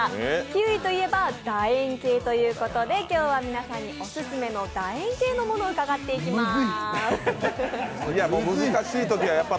キウイといえばだ円形ということで今日は皆さんにオススメのだ円形のものを伺っていきます。